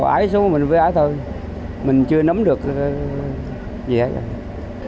ấy xuống mình với ấy thôi mình chưa nắm được gì hết rồi